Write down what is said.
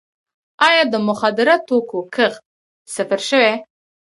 آیا د مخدره توکو کښت صفر شوی؟